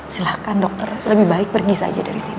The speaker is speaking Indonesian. silahkan dokter lebih baik pergi saja dari sini